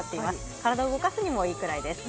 体を動かすにもいいくらいです。